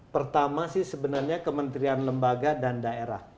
pertama sih sebenarnya kementerian lembaga dan daerah